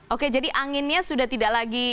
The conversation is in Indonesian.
oke jadi anginnya sudah tidak lagi